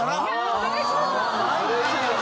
お願いします。